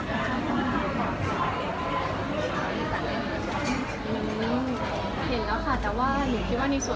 แล้วคือพ่อแม่ก็เป็นผู้ใหญ่คิดว่าหนูเป็นควรที่จะแบบพูดถึงหนูว่า